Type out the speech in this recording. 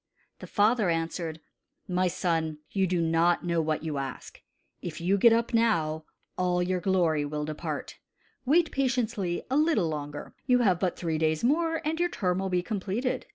The father answered: "My son, you know not what you ask. If you get up now, all your glory will depart. Wait patiently a little longer. You have but three days more, and your term will be completed.